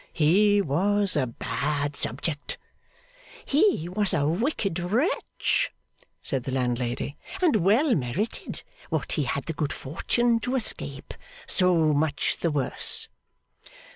'He was a bad subject.' 'He was a wicked wretch,' said the landlady, 'and well merited what he had the good fortune to escape. So much the worse.